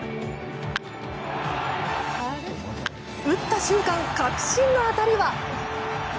打った瞬間、確信の当たりは。